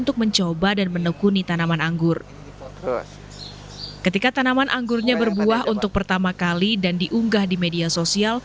ketika tanaman anggurnya berbuah untuk pertama kali dan diunggah di media sosial